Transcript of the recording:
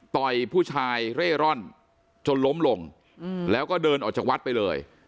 ผู้ชายเร่ร่อนจนล้มลงแล้วก็เดินออกจากวัดไปเลย